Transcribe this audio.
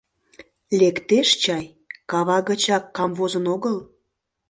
— Лектеш чай, кава гычак камвозын огыл.